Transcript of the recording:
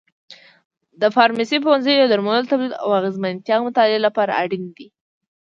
د فارمسي پوهنځی د درملو تولید او اغیزمنتیا مطالعې لپاره اړین دی.